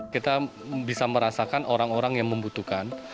kita bisa merasakan orang orang yang membutuhkan